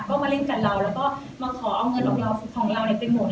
ก็มาเล่นกับเราแล้วก็มาขอเอาเงินของเราของเราไปหมด